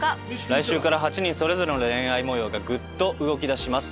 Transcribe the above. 来週から８人それぞれの恋愛模様がグッと動きだします。